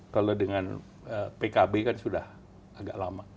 kalau dengan pkb kan sudah agak lama